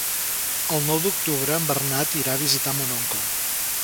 El nou d'octubre en Bernat irà a visitar mon oncle.